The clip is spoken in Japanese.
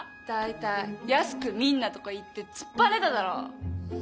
大体「安く見んな」とか言って突っぱねただろ！